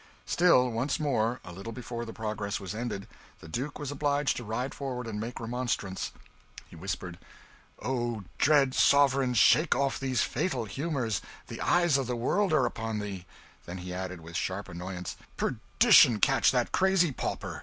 Still once more, a little before the progress was ended, the Duke was obliged to ride forward, and make remonstrance. He whispered "O dread sovereign! shake off these fatal humours; the eyes of the world are upon thee." Then he added with sharp annoyance, "Perdition catch that crazy pauper!